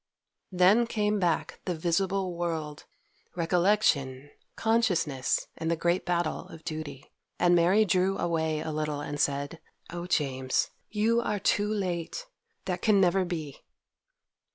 Then came back the visible world—recollection, consciousness, and the great battle of duty; and Mary drew away a little and said— 'Oh, James! you are too late! that can never be!